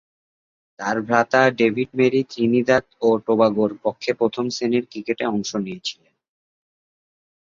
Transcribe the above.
তার ভ্রাতা David Murray Trinidad ও টোবাগো’র পক্ষে প্রথম-শ্রেণীর ক্রিকেটে অংশ নিয়েছিলেন।